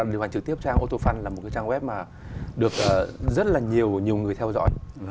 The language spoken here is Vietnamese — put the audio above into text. điều hành trực tiếp trang autofun là một cái trang web mà được rất là nhiều người theo dõi